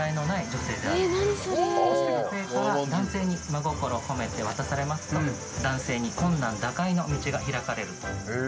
女性から男性に真心を込めて渡されますと、男性に困難打開の道が開かれると。